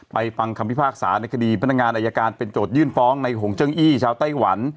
ฟังคำพิพากษาในคดีพนักงานอายการเป็นโจทยื่นฟ้องในหงเจิ้งอี้ชาวไต้หวัน